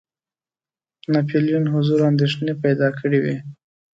ناپولیون حضور اندېښنې پیدا کړي وې.